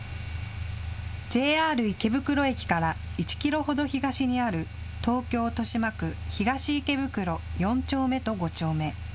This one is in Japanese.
ＪＲ池袋駅から１キロほど東にある東京・豊島区東池袋４丁目と５丁目。